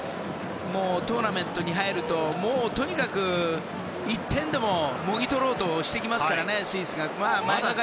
トーナメントに入るととにかく１点でももぎ取ろうとしてきますからね。